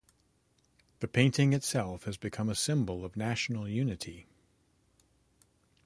The painting itself has become a symbol of national unity.